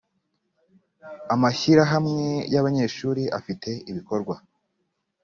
amashyirahamwe y ‘abanyeshuri afite ibikorwa .